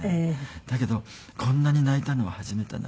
だけどこんなに泣いたのは初めてなぐらい。